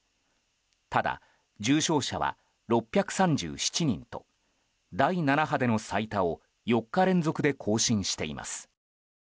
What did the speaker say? ただ、重症者は６３７人と第７波での最多を４日連続で更新しています。